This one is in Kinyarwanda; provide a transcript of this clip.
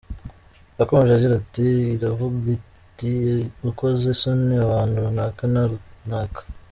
Yakomeje agira ati “Iravuga iti ‘gukoza isoni abantu runaka na runaka.